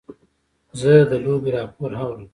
زه د لوبې راپور اورم.